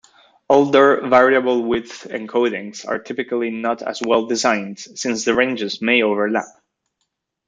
Older variable-width encodings are typically not as well designed, since the ranges may overlap.